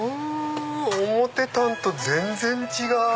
思ってたんと全然違う！